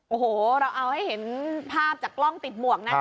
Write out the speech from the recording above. โอโหเราเอาให้เห็นภาพจากกล้องติดหมวกน่ะเมื่อกรวกนะครับ